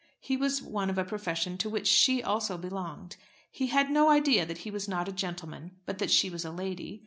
He was one of a profession to which she also belonged. He had no idea that he was not a gentleman but that she was a lady.